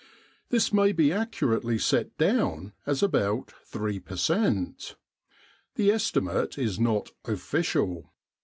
This may be accurately set down as about 3 per cent. The estimate is not "official.'